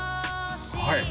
はい！